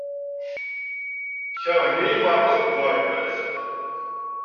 Kerhen-iyi merra deg uɣerbaz.